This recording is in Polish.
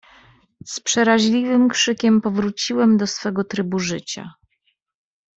"Z przeraźliwym krzykiem powróciłem do swego trybu życia..."